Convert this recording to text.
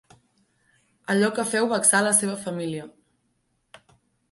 Allò que feu vexà la seva família.